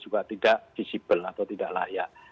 juga tidak visible atau tidak layak